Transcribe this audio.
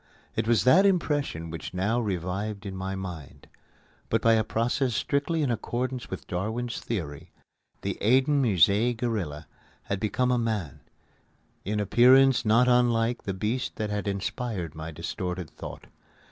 It was that impression which now revived in my mind. But by a process strictly in accordance with Darwin's theory, the Eden Musée gorilla had become a man in appearance not unlike the beast that had inspired my distorted thought.